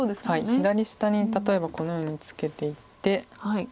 左下に例えばこのようにツケていって。